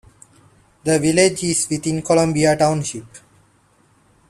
The village is within Columbia Township.